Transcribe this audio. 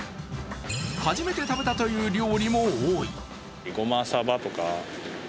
初めて食べたという料理も多い。